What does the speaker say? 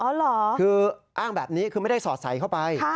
คืออ้างแบบนี้คือไม่ได้สอดใส่เข้าไป